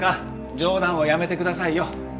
冗談はやめてくださいよ。